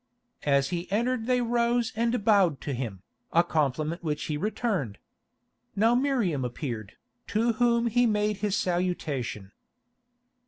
As he entered they rose and bowed to him, a compliment which he returned. Now Miriam appeared, to whom he made his salutation.